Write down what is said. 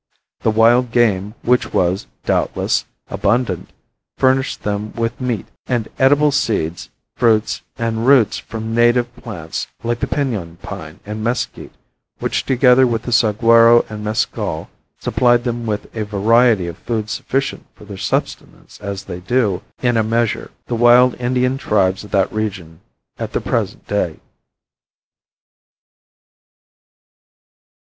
The wild game which was, doubtless, abundant furnished them with meat and edible seeds, fruits and roots from native plants like the pinon pine and mesquite which together with the saguaro and mescal, supplied them with a variety of food sufficient for their subsistence as they do, in a measure, the wild Indian tribes of that region at the present day.